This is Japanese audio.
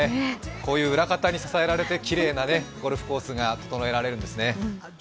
こういう裏方に支えられてきれいなゴルフコースが整えられるんですね。